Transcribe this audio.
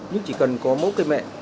nhưng chỉ cần có mẫu cây mẹ